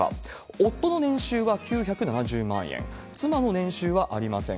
夫の年収は９７０万円、妻の年収はありません。